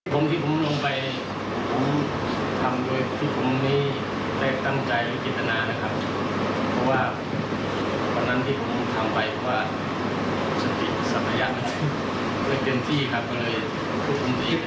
ผมที่ผมลงไปผมทำด้วยที่ผมไม่ได้ตั้งใจหรือกิจนานะครับ